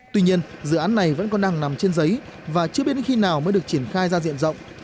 tuy nhiên dự án này vẫn còn đang nằm trên giấy và chưa biết đến khi nào mới được triển khai ra diện rộng